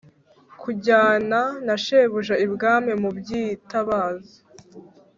kujyana na shebuja ibwami mu by’itabaza